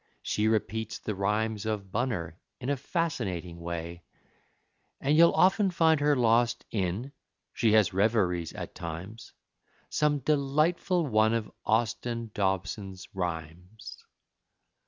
She repeats the rhymes of Bunner In a fascinating way, And you'll often find her lost in She has reveries at times Some delightful one of Austin Dobson's rhymes.